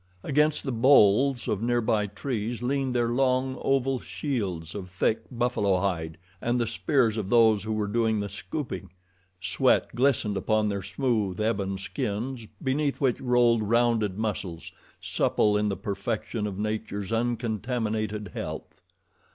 Against the boles of near by trees leaned their long, oval shields of thick buffalo hide, and the spears of those who were doing the scooping. Sweat glistened upon their smooth, ebon skins, beneath which rolled rounded muscles, supple in the perfection of nature's uncontaminated health.